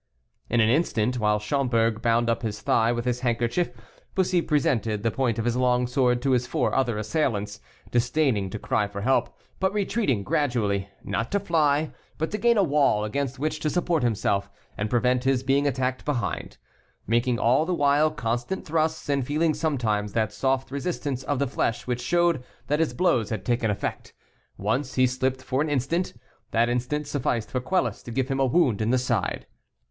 In an instant, while Schomberg bound up his thigh with his handkerchief, Bussy presented the point of his long sword to his four other assailants, disdaining to cry for help, but retreating gradually, not to fly, but to gain a wall, against which to support himself, and prevent his being attacked behind, making all the while constant thrusts, and feeling sometimes that soft resistance of the flesh which showed that his blows had taken effect. Once he slipped for an instant. That instant sufficed for Quelus to give him a wound in the side.